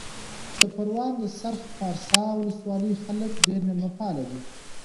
د پروان د سرخ پارسا ولسوالۍ خلک ډېر مېلمه پاله دي.